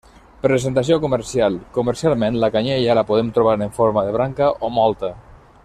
Presentació comercial: comercialment la canyella la podem trobar en forma de branca o molta.